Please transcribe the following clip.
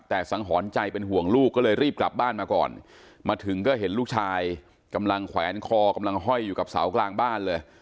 แต่สังหรณ์ใจเป็นห่วงลูกก็เลยรีบกลับบ้านมาก่อนมาถึงก็เห็นลูกชายกำลังแขวนคอกำลังห้อยอยู่กับเสากลางบ้านเลย